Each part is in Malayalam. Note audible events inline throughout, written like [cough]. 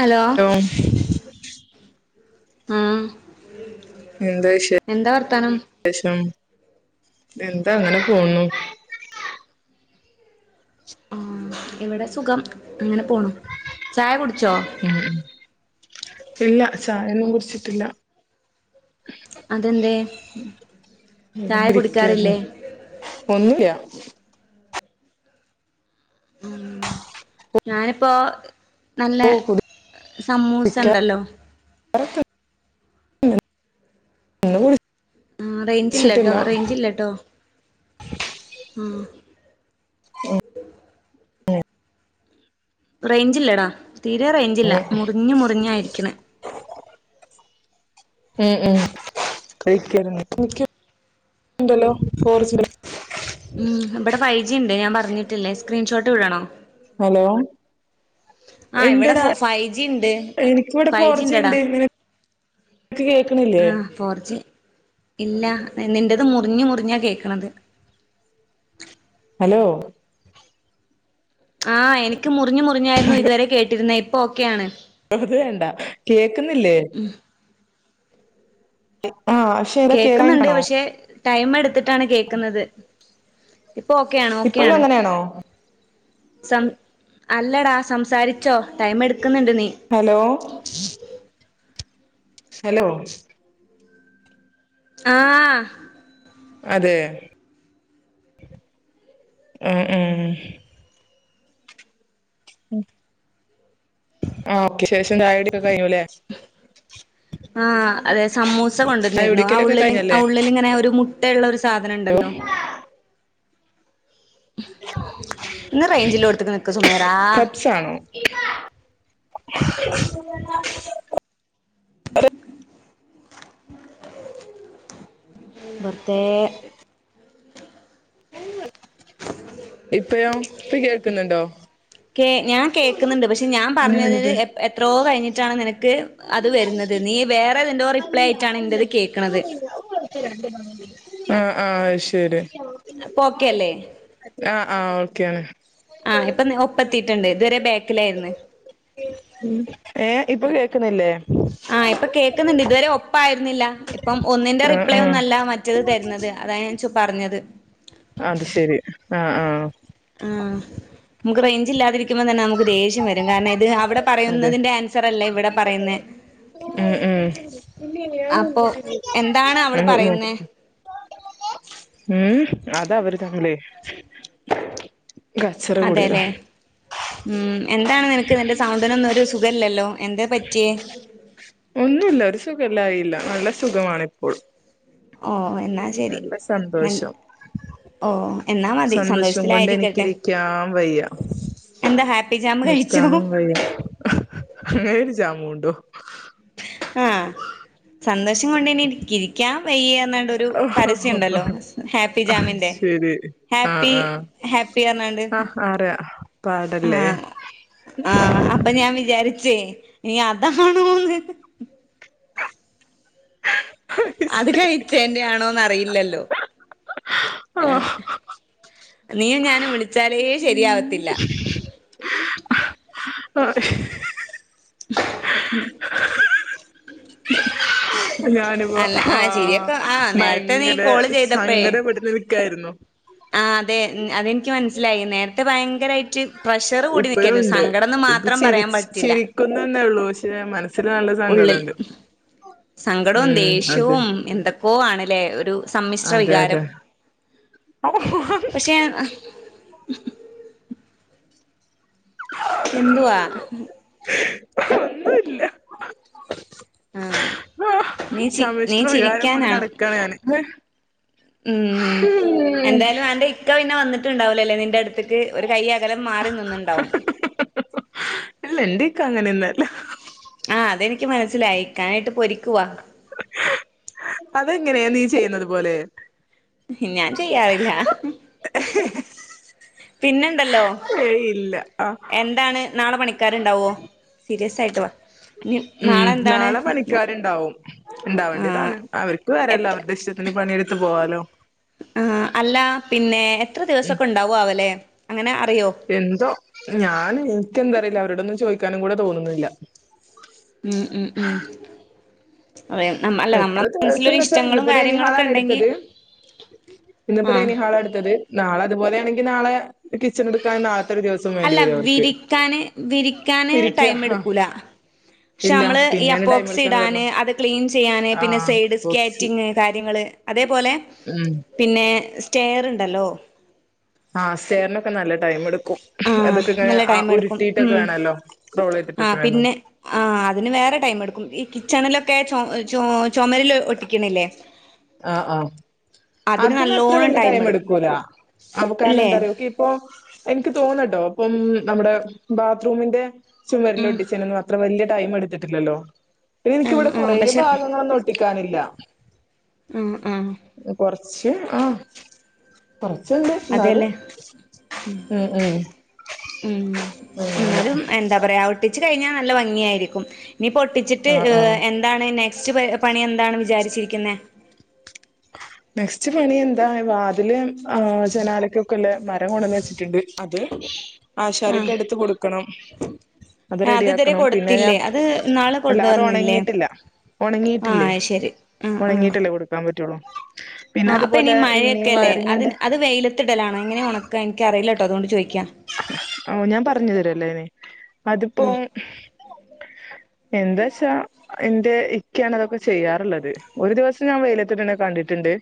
ഹലോ ആഹ് എന്താ എന്താ വർത്താനം വിശേഷം എന്താ അങ്ങനെ പോണു ആഹ് ഇവിടെ സുഖം അങ്ങനെ പോണു ചായ കുടിച്ചോ ഉം ഇല്ല ചായൊന്നും കുട്ച്ചിട്ടില്ല. അതെന്തേ ചായ കുടിക്കാറില്ലേ? ഒന്നുല്ല്യ. ഉം ഞാനിപ്പോ നല്ല ഓ സമ്മൂസ കുടിക്കാറൊക്കെ ഇണ്ടല്ലോ [unintelligible] ഉണ്ട് ഇന്ന് ഉം റേഞ്ച്ല്ലട്ടോ കുടിച്ചിട്ടില്ല റേഞ്ച്ല്ലട്ടോ ഉം. റേയ്ഞ്ചില്ലടാ തീരെ ഉം റേഞ്ചില്ല മുർ ഞ്ഞ് മുർഞ്ഞായിരിക്ക്ണെ. ഉം ഉം കഴിക്കാര്ന്നു. ഇണ്ടല്ലോ ഫോർ ജി ഉം ഇവടെ ഫൈവ് ജിണ്ട് ഞാൻ പർഞ്ഞിട്ടില്ലേ സ്ക്രീൻഷോട്ട് വിടണോ? ഹലോ ആഹ് ഇവിടെ എന്തെട ഫൈവ് ജി ഉണ്ട് എനിക്കിവിടെ ഫൈവ് ജി ഉണ്ടടാ ഫോർജിണ്ട് നിന ക്ക് കേക്ക്ണില്ലേ? ആഹ് ഫോർജി ഇല്ല നിന്റെത് മുർ ഞ്ഞ് മുർഞ്ഞാ കേക്ക്ണത്. ഹലോ ആഹ് എനിക്ക് മുർഞ്ഞ് മുർഞ്ഞായിരുന്നു ഇതുവരെ കേട്ടിരുന്നെ ഇപ്പൊ ഓക്കെ ആണ്. അത് വേണ്ട കേക്ക്ന്നില്ലേ? ആഹ് ശ കേക്ക്ന്ന്ണ്ട് പക്ഷെ ടൈം എ ട്ത്തിട്ടാണ് കേക്ക്ന്നത്. ഇപ്പൊ ഓക്കെ ആണ് ഇപ്പോഴും ഓക്കെയാണ്. അങ്ങനെയാണോ സം അല്ലടാ സംസാരിച്ചോ ടൈം എട്ക്ക്ന്ന്ണ്ട് നീ. ഹലോ ഹലോ ആഹ്. ആ അതെ ഉം ഉം. ഉം ആഹ് ഓക്കെ ശേഷം ചായട്യാക്കെ കഴ്ഞ്ഞുല്ലേ? ആഹ് അതെ സമ്മൂസ കൊണ്ട്‌ ചായ ന്നിര്ന്നു ആഹ് കുടിക്കലൊക്കെ ഉള്ള്ല് കഴിഞ്ഞല്ലേ ഉള്ളിലിങ്ങനെ ഒരു മു ട്ട ഇള്ളൊരു സാധനം ഇണ്ടല്ലോ? ഒന്ന് റെയ്ഞ്ച്ലോട്ത്ത്ക്ക് നിക്ക് സുമേറാ. ച്ചാണോ? [unintelligible] പെർതേ ഇപ്പഴോ ഇപ്പ കേക്ക്ന്ന്ണ്ടോ? കേ ഞാൻ കേക്ക്ന്ന്ണ്ട് പക്ഷെ ഞാൻ ഒന്ന് പറഞ്ഞത് മിനിറ്റ് എ എത്രോ കയ്ഞ്ഞിട്ടാണ് നിനക്ക് അത് വര്ന്നത് നീ വേറെതിന്റോ റിപ്ലൈ ആയിട്ടാണ് എൻ്റത് കേക്ക്ണത്. ആഹ് ആഹ് അത് ശരി. അപ്പൊ ഓക്കെ അല്ലേ ആഹ് ആഹ് ഓക്കെയാണ്. ആഹ് ഇപ്പൊ ഒപ്പ എത്തിട്ണ്ട് ഇതുവരെ ബാക്കിലാര്‌ന്ന്‌. ഉം ഏ ഇപ്പൊ കേക്ക്ന്നില്ലേ? ആ ഇപ്പ കേക്ക്ന്ന്ണ്ട് ഇതുവരെ ഒപ്പായിര്ന്നില്ല ഇപ്പം ഒന്നിന്റെ ആ റിപ്ലൈ ആ ഒന്നല്ല മറ്റത് തര്ന്നത് അതാ ഞാ ച്ചു പർഞ്ഞത്. അത് ശരി ആഹ് ആഹ്. ആഹ് നമുക്ക് റേഞ്ച് ഇല്ലാതിരിക്കുമ്പോ തന്നെ നമുക്ക് ദേഷ്യം വരും കാരണം ഇത് അവ്ടെ അതെ പറയുന്നതിന്റെ ആൻസർ അല്ലേ ഇവിടെ പറയുന്നെ ഉം ഉം അപ്പൊ എന്താണ് അവള് പറയുന്നെ ഉം അത അവര് തമ്മിലെയ് കച്ചറ കൂടിയതാ അതെല്ലേ ഉം എന്താണ് നിനക്ക് നിന്റെ സൗണ്ടിനൊന്നും ഒരു സുഖല്ലല്ലോ എന്തെ പറ്റിയേ ഒന്നുല്ല ഒരു സുഖല്ലായില്ല നല്ല സുഖമാണ് ഇപ്പോൾ ഓഹ് എന്നാല് നല്ല സന്തോഷം ഓ എന്നാ മതി സന്തോഷം കൊണ്ട് സന്തോഷത്തിലായിരിക്കട്ടെ എനിക്കിരിക്കാൻ വെയ്യ എന്താ ഹാപ്പി ജാമ് കഴിച്ചോ നിക്കാനും വെയ്യ അങ്ങനെരു ജാമൂണ്ടോ ആഹ് സന്തോഷം കൊണ്ട് ഇനി കിരിക്കാം വെയ്യാ ന്നാണ്ടർന്നൊരു പരസ്യം ആഹ് ഉണ്ടല്ലോ ഹാപ്പി ജാമിന്റെ ശരി ഹാപ്പി ആഹ് ആഹ് ഹാപ്പി പറ്ഞ്ഞാണ്ട് ആഹ് അറിയ പാടല്ലേ അപ്പൊ ഞാൻ വിചാരിച്ചേയ് ഇനി അതാണോന്ന് അത് കഴിച്ചേന്റെ ആണോന്ന് അറിയില്ലല്ലോ ആഹ് നീയും ഞാനും വിളിച്ചാലേ ശരിയാവത്തില്ല [unintelligible] ഉ ഞാനിപ്പോ ആഹ് നേരത്തെ നീ ഭയങ്കര കോള് സങ്കടപ്പെട്ട്ട്ട് നിക്കായ്രുന്നു ആഹ് അതെ ഉം അതെനിക്ക് മനസ്സിലായി നേരത്തെ ഭയങ്കരായിട്ട് പ്രഷർ കൂടി ഇപ്പഴും നിക്കാര്ന്നു സങ്കടംന്ന് മാത്രം പറയാൻ പറ്റില്ല നിക്കുന്നന്നേഒള്ളൂ പക്ഷേ മനസ്സിൽ നല്ല ഉള്ളിൽ സങ്കടണ്ട് സങ്കടവും ഉം അതെ ദേഷ്യവും എന്തൊക്കോ ആണ് ല്ലേ ഒരു സമ്മിശ്ര വികാരം അത് പക്ഷെ ആഹ് എന്തുവാ ഒന്നുല്ല ആഹ് ആഹ് നീ ചി നീ സമ്മിശ്ര വികാരം കൊണ്ട് ചിരിക്കാനാണോ നടക്കാണ് ഞാന് ഉം ഉം എന്തായാലും ആന്റെ ഇ ഇക്ക പിന്നെ വന്നിട്ടുണ്ടാവൂലല്ലേ നിന്റെ അട്ത്ത്ക്ക് ഒരു കൈയകലം മാറി നിന്ന്ണ്ടാവും ഇല്ല ഇന്റിക്ക അങ്ങനൊന്നല്ല ആഹ് അതെനിക്ക് മനസ്സിലായി ഇക്കാനിട്ട് പൊരിക്കുവാ അതെങ്ങനെ നീ ചെയ്യുന്നതു പോലെ ഞാന് ചെയ്യാറില്ല പിന്നെണ്ടല്ലോ ഏയ് ഇല്ല ആഹ് എന്താണ് നാളെ പണിക്കാര്ണ്ടാവോ സീരിയസായിട്ട് വാ ഇനി ഉം എന്താണ് നാളെ പണിക്കാര്ണ്ടാവും ആഹ് ഇണ്ടാവേണ്ടിയതാണ് അവർക്ക് വരല്ലോ എത്ര അവര്ടെ ഇഷ്ടത്തിന് പണിയെടുത്ത് പോവാലോ ആഹ് അല്ല പിന്നെ എത്ര ഉം ദിവസൊക്കെ ഉണ്ടാവു ആവല്ലെ അങ്ങനെ അറിയോ എന്തോ ഞാൻ ഇന്ക് എന്താറില്ല അവരോടൊന്നും ചോയ്ക്കാനും കൂടെ തോന്നുന്നില്ല ഉം ഉം ഉം അതെ, നമ്മ അല്ല എത്ര നമ്മളെ മനസ്സിലൊരു ദിവസംന്ന് വെച്ചാ ഇഷ്ടങ്ങളും ഇന്നിപ്പോ കാര്യങ്ങളൊക്കെ ഡൈനിഹാളാണ് ഉണ്ടെങ്കി എടുത്തത് ഇന്നിപ്പോ ആഹ് ഡേനിങ്‌ഹാള ഇട്ത്തത് നാളെ അതുപോലൊണെങ്കി നാളെ കിച്ചൺ ട്ക്കാൻ നാളത്തെ ഒരു ദിവസം വേണ്ടി അല്ല വരും അവർക്ക് വിരിക്കാന് വിരിക്കാന് ഇരിക്ക ടൈം ആ എടുക്കൂല. പക്ഷെ ഇല്ല നമ്മള് ഈ പിന്നെയാണ് ടൈം അപ്പോക്സി എടുക്കാന്ന് പറഞ്ഞു ഇടാന് അത് ക്ലീൻ ചെയ്യാന് പിന്നെ ആഹ് സൈഡ് ബോക്സ് സ്കാറ്റിങ് കാര്യങ്ങള് അതേപോലെ ഉം പിന്നെ സ്‌റ്റയർ ഇണ്ടല്ലോ. ആഹ് സെയർന് ക്കെ നല്ല ടൈം എടുക്കും ആഹ് അതൊക്കെ ഇങ്ങനെ നല്ല ആ ടൈം എടുക്കും ഉരുട്ടീട്ടൊക്കെ ഉം വേണല്ലോ റോൾ ചെയ്തിട്ടൊക്കെ വേണ ആ അതിന് വേറെ ടൈം എടുക്കും ഈ കിച്ചണിലൊക്കെ ചൊ ചൊ ചൊമരിൽ ഒട്ടിക്ക്ണില്ലേ. ആഹ് ആഹ് അതിന് അത്ര നല്ലോണം വല്യ ടൈം എടുക്കും എടുക്കൂല [unintelligible] കാര്ണ ഇല്ലേ എന്താറിയോ കി അപ്പൊ എനിക്ക് തോന്നട്ടോ അപ്പം നമ്മുടെ ബാത്റൂമിന്റെ ചുമരില ഉം ഒട്ടിച്ചേനന്ന് അത്ര വല്യ ടൈം എടുത്തിട്ടില്ലല്ലോ പിന്നെ ആഹ് എനിക്കിവിടെ ആഹ് കൊറേ പക്ഷെ ഭാഗങ്ങളൊന്നും ഒട്ടിക്കാനില്ല. ഉം ഉം കൊർച്ച് ആഹ് കൊറച്ച്ണ്ട് ഇന്നാലും അതെല്ലേ ഉം ഉം ഉം അങ്ങനെ ഇന്നാലും എന്താ പറയാ ഒട്ടിച്ച് കഴിഞ്ഞാ നല്ല ഭംഗിയായിരിക്കും. ഇഞ്ഞിപ്പൊട്ടിച്ചിട്ട് ആഹ് ഹ് ആഹ് എന്താണ് നെക്സ്റ്റ് പ പണി എന്താണ് വിചാരിച്ചിരിക്കുന്നെ? നെക്സ്റ്റ് പണി എന്താണ് വാതില് ആ ജനാലക്കൊക്കെള്ള മരം കൊണ്ടന്ന് വെച്ചിട്ടുണ്ട് അത് ആഹ് ആശാരിന്റടുത്ത് കൊടുക്കണം. അത് റെഡി ഇതുവരെ ആക്കണം പിന്നെ ഞാൻ കൊടുത്തില്ലേ അത് ഇന്നാള് അല്ല അത് കൊണ്ടുവന്നില്ലേ ഒണങ്ങീട്ടില്ല ആഹ് ഒണങ്ങീട്ടില്ലേ. അത് ശരി ആഹ് ഒണങ്ങീട്ടല്ലേ കൊടുക്കാൻ പറ്റുള്ളു. ആ അപ്പ ഇനി മഴയക്കെല്ലേ അത് അത് വെയിലത്തിടലാണ് എങ്ങനെ ഒണക്കാ ഇൻക്ക് അറീലട്ടോ അതുകൊണ്ട് ചോയി [unintelligible] ഞാൻ പറഞ്ഞു തരല്ലോ അയിന് അത്പ്പോ ആഹ് എന്താച്ചാ എന്റെ ഇക്കയാണ് അതൊക്കെ ചെയ്യാറുള്ളത് ഒരു ദിവസം ഞാൻ വെയിലത്തിടണ കണ്ടിട്ടുണ്ട്.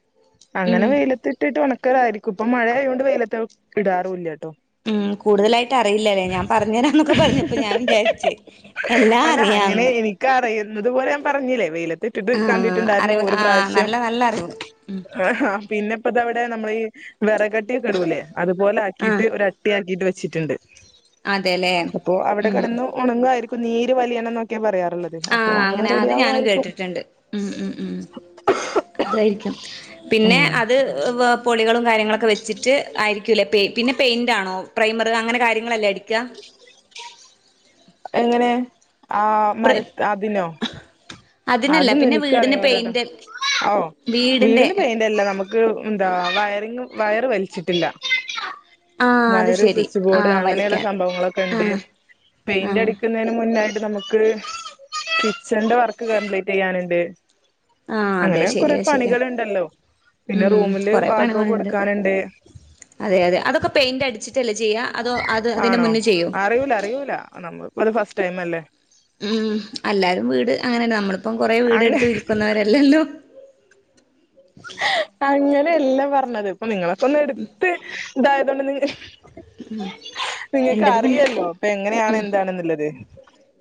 ഉം അങ്ങനെ വെയിലത്ത് ഇട്ടിട്ട് ഒണക്കലായിരിക്കും ഇപ്പം മഴ ആയോണ്ട് വെയിലത്ത് ഇടാറുല്ലട്ടോ. ഉം കൂടുതലായി അറിയില്ലല്ലേ ഞാൻ പറഞ്ഞ് തരാന്നൊക്കെ പർഞ്ഞപ്പം ഞാൻ വിചാരിച്ച് എല്ലാ അറിയാന്ന്. ഇക്കറിയുന്നത് പോലെ ഞാൻ പറഞ്ഞില്ലേ വെയില ത്തിട്ടിട്ട് ആഹ് കണ്ടിട്ടുണ്ടായിരുന്നു അറിവ് ഒരു ആഹ് പ്രാവശ്യം നല്ല നല്ല അറിവ് ആ പിന്നെ ഇതവിടെ നമ്മളീ വെറകട്ടിയക്കെ ഇടൂല്ലേ അതുപോലെ ആഹ് ആക്കിയിട്ട് ഒര [unintelligible] വെച്ചിട്ടുണ്ട് അതെല്ലേ അപ്പോ അവടെ ഉം കെടന്നു. ഒണങ്ങുവായിരിക്കും നീര് വലിയണം എന്നൊക്കെയ പറയാറുള്ളത്. ആ അപ്പൊ അങ്ങനെ റെഡി അത് ഞാനും ആവുമായിരിക്കും കേട്ടിട്ടുണ്ട് ഉം ഉം ഉം അതായിരിക്കും പിന്നെ ഉം അത് വ പൊളികളും കാര്യങ്ങളൊക്കെ വെച്ചിട്ട് ആയിരിക്കൂലേ പെയ് പിന്നെ പെയിന്റാണോ പ്രൈമറ് അങ്ങനെ കാര്യങ്ങളല്ലേ അടിക്ക? എങ്ങനെ ആ പ്ര മര അതിനോ? അതിനല്ല അത് പിന്നെ വീടിന് എനിക്കറിയൂലട്ടോ പെയിന്റ് ഓ വീടിന്റെ വീടിന് പെയിന്റല്ല നമ്മ ക്ക്‌ എന്താ വയറിങ് വയറ് വലിച്ചിട്ടില്ല. ആഹ് അത് വയറ്, ശരി സ്വിച്ച് ബോർഡ് ആഹ് അങ്ങനെയുള്ള വലിക്കാൻ സംഭവങ്ങളൊക്കെ ഇണ്ട്. ആഹ് ആഹ് പെയിന്റടിക്കുന്നേന് മുന്നായിട്ട് നമു ക്ക്‌ കിച്ചന്റെ വർക്ക് കംപ്ലീറ്റ് ചെയ്യാനുണ്ട്. ആഹ് അതെ അങ്ങനെ കൊറെ ശരിയാ ശരിയാ പണികള്ണ്ടല്ലോ പിന്നെ ഉം റൂമില് കൊറെ വാഡ്രോബ് പണികളുണ്ട് കൊടുക്കാന്ണ്ട്. അതെ അതെ അതൊക്കെ പെയിന്റടിച്ചിട്ടല്ലേ ചെയ്യ അതോ അത് അതിനു ആണോ മുന്നേ ചെയ്യോ? അറിയൂല അറിയൂല നമ്മ അത് ഫസ്റ്റ് ടൈം അല്ലേ ഉം അല്ലാരും വീട് അങ്ങനെന്നെ നമ്മളിപ്പം കൊറെ അങ്ങ വീടെടുത്ത് വിൽക്കുന്നവരല്ലല്ലോ. അങ്ങനെല്ല പറഞ്ഞത് ഇപ്പ നിങ്ങളക്കെ ഒന്ന് എടുത്ത് ഇതായതൊണ്ട് നിങ്ങ [unintelligible] നിങ്ങൾക്ക് എന്റത് പിന്നെ അറിയല്ലോ പ്പ എങ്ങനെയാണ് ഉം എന്താണെന്നുള്ളത്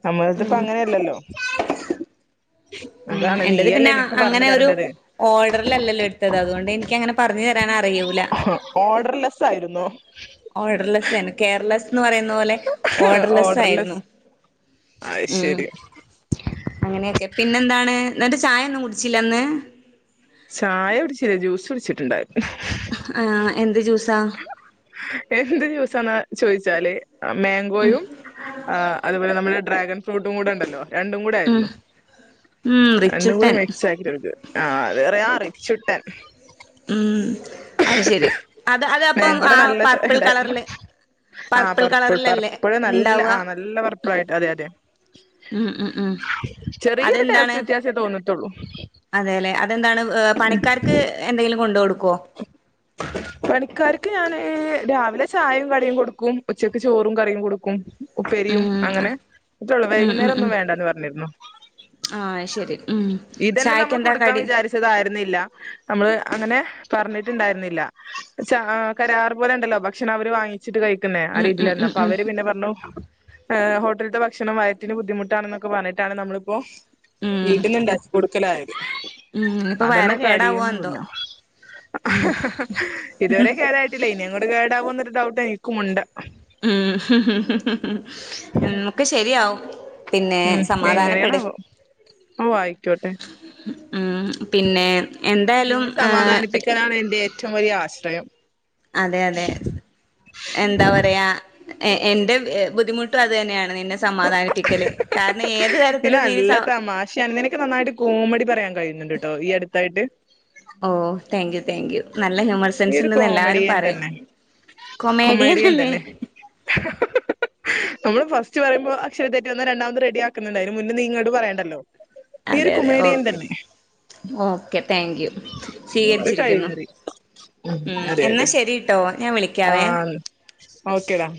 നമ്മളത്പ്പ ഉം അങ്ങനെയല്ലല്ലോ. ഉം അതാണ് എന്റത് നീയല്ലേ പിന്നെ എനിക്ക് പറഞ്ഞു അങ്ങനെ ഒരു തരണ്ടത്. ഓർഡറിലല്ലല്ലോ എടുത്തത് അതുകൊണ്ടെനിക്കങ്ങനെ പറഞ്ഞു തരാൻ അറിയൂല. ആഹ് ഓർഡർലെസ്സ് ആയിരുന്നോ? ഓർഡർലെസ്സെനു കേയർലെസ്സ് ന്ന് പറയുന്ന പോലെ ഓർഡർലെസ്സ് ഓർഡർലെസ് ആയിരുന്നു. അത് ഉം ശരി അങ്ങനെയൊക്കെ പിന്നെന്താണ്? ന്നട്ട് ചായ ഒന്നും കുടിച്ചില്ലന്ന്? ചായ കുടിച്ചില്ല ജ്യൂസ് കുടിച്ചിട്ടുണ്ടായിരുന്നു. ആഹ് എന്ത് ജ്യൂസാ എന്ത് ജ്യൂസാണ് ചോദിച്ചാല് മേങ്കോയും ആഹ് അതുപോലെ നമ്മടെ ഡ്രാഗൺ ഫ്രൂട്ടും കൂടെ ഒണ്ടല്ലോ രണ്ടും കൂടെ ഉം ആയിരുന്നു ഉം രണ്ടും കൂടെ റിച്ചുട്ടൻ മിക്സ് ആക്കി എടുത്തു. ആഹ് അത് അറിയാ റിച്ചുട്ടൻ ഉം അയ് ശരി അത മേങ്കോടെ നല്ല ചൊയ ഇണ്ടായിരുന്നു ആഹ് പർപ്പിൾ കളറിലല്ലേ പർപ്പിൾ നല്ല ഇണ്ടാവ ആഹ് നല്ല പർപ്പിളായിട്ട് അതെ അതെ ഉം ഉം ഉം ചെറിയൊരു അതെന്താണ് ടെസ്റ്റ് വ്യത്യാസേ തോന്നീട്ടൊള്ളു അതെല്ലെ അതെന്താണ് ഏഹ് പണിക്കാർക്ക് എന്തെങ്കിലും കൊണ്ട് കൊടുക്കൊ പണിക്കാർക്ക് ഞാന് രാവിലെ ചായയും കടിയും കൊടുക്കും ഉച്ചക്ക് ചോറും കറിയും കൊടുക്കും ഉപ്പേരിയും ഉം അങ്ങനെ അത്രേള്ളൂ ഉം ഉം വൈകുന്നേരം ഉം ഒന്നും വേണ്ടാന്ന് പറഞ്ഞിരുന്നു ആഹ് അയ് ശരി ഉം ചായക്കെന്താ കടി തായിരുന്നില്ല നമ്മള് അങ്ങനെ പറഞ്ഞിട്ടുണ്ടായിരുന്നില്ല ച ആഹ് കരാർ പോലെ ഇണ്ടല്ലോ ഭക്ഷണം അവര് വാങ്ങി ച്ചിട്ട് കഴിക്കുന്നെ ആ ഉം ഉം രീതിയിലന്നെ ഉം അപ്പൊ ഉം അവര് പിന്നെ പറഞ്ഞു ഏഹ് ഹോട്ടൽത്തെ ഭ ക്ഷണം വയറ്റിന് ബുദ്ധിമുട്ടാണെന്നൊക്കെ പറഞ്ഞിട്ടാണ് നമ്മളിപ്പോ ഉം വീട്ടിന്ന് ഇണ്ടാക്കി കൊടുക്കലായത് ഉം ഇനിപ്പൊ വയറ് അതന്നെ കേടാവോ എന്തോ കടിയൊന്നുല്ല ഇതുവരെ കേടായിട്ടില്ല ഇനി അങ്ങോട്ട് കേടാവോന്നരു ഡൗട്ട് എനിക്കുംണ്ട് ഉം ഉം ഒക്കെ ശരിയാവും പിന്നെ ഉം സമാധാനപ്പെട് എങ്ങനെയാണാവോ ഓ ആയിക്കോട്ടെ ഉം പിന്നെ എന്തായാലും നിന്റെ ഏഹ് സമാധനിപ്പിക്കലാണ് എന്റെ ഏറ്റവും വലിയ ആശ്രയം അതെ അതെ എന്താ പറയാ എ എന്റെ ബുദ്ധിമു ട്ടും അത് തന്നെയാണ് നിന്നെ സമാധാനിപ്പിക്കല് കാരണം ഏത് നീ തരത്തിലും നല്ല സ തമാശാണ് നിനക്ക് നന്നായിട്ട് കോമഡി പറയാൻ കഴിയുന്നുണ്ട് കേട്ടോ ഈ അടുത്തായിട്ട് ഓ താങ്ക് യു താങ്ക് യു നല്ല ഹ്യൂമർസ് നീ ഫ്രണ്ട്സ് ഒരു ന്ന് എല്ലാരും കോമഡിയൻ പറയും തന്നെ കൊമേഡിയൻ അല്ലേ നമ്മള് ഫസ്റ്റ് പറയുമ്പോ അക്ഷരത്തെറ്റ് വന്ന രണ്ടാമത് റെഡി ആക്കുന്നുണ്ട് അയ്ന് മുന്നേ നീ ഇങ്ങോട്ട് പറയണ്ടല്ലോ നീ അതെ ഒരു അതെ കൊമേഡിയൻ ഓക്കേ തന്നെ ഓക്കേ താങ്ക് യു അത് കൈ സ്വീകരിച്ചിരിക്കുന്നു കറി ഉം അതെ എന്നാ അതെ ശരിട്ടോ ഞാൻ വിളിക്കാവേ ആഹ് ഓക്കേടാ